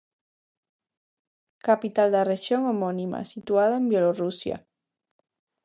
Capital da rexión homónima, situada en Bielorrusia.